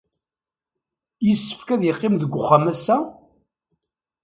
Yessefk ad yeqqim deg wexxam ass-a?